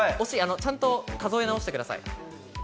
ちゃんと数え直してください。